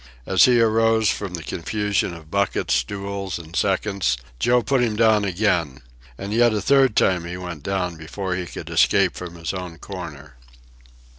As he arose from the confusion of buckets, stools, and seconds, Joe put him down again. And yet a third time he went down before he could escape from his own corner.